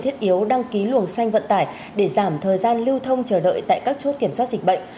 thiết yếu đăng ký luồng xanh vận tải để giảm thời gian lưu thông chờ đợi tại các chốt kiểm soát dịch bệnh